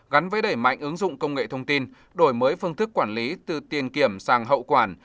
gắn với đẩy mạnh ứng dụng công nghệ thông tin đổi mới phương thức quản lý từ tiền kiểm sang hậu quản